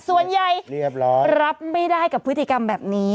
ส่วนใหญ่รับไม่ได้กับพฤติกรรมแบบนี้